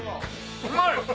うまい！